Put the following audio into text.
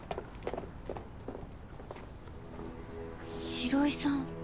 城井さん！